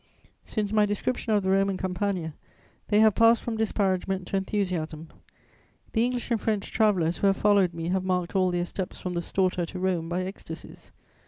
Since my description of the Roman Campagna, they have passed from disparagement to enthusiasm. The English and French travellers who have followed me have marked all their steps from the Storta to Rome by ecstasies.